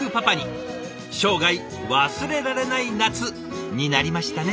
生涯忘れられない夏になりましたね。